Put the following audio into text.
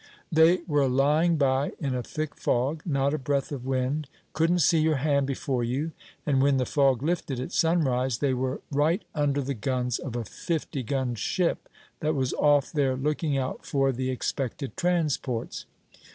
They were lying by in a thick fog not a breath of wind couldn't see your hand before you; and when the fog lifted at sunrise, they were right under the guns of a fifty gun ship, that was off there looking out for the expected transports.